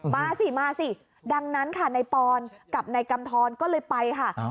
มาสิมาสิดังนั้นค่ะนายปอนกับนายกำทรก็เลยไปค่ะ